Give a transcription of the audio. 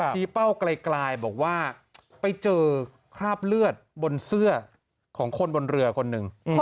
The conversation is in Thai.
เป้าไกลบอกว่าไปเจอคราบเลือดบนเสื้อของคนบนเรือคนหนึ่ง